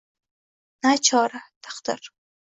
Nachora, taqdir